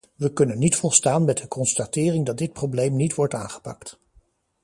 We kunnen niet volstaan met de constatering dat dit probleem niet wordt aangepakt.